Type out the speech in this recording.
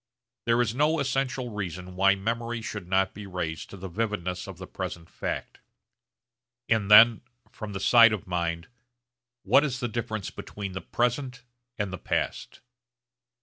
There is no essential reason why memory should not be raised to the vividness of the present fact; and then from the side of mind, What is the difference between the present and the past?